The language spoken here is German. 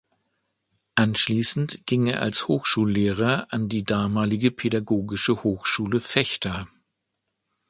Anschließend ging er als Hochschullehrer an die damalige Pädagogische Hochschule Vechta.